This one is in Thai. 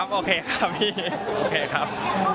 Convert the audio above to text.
ครับโอเคค่ะพี่โอเคครับ